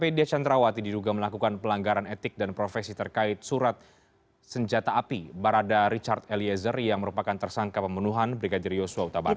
media chandrawati diduga melakukan pelanggaran etik dan profesi terkait surat senjata api barada richard eliezer yang merupakan tersangka pembunuhan brigadir yosua utabara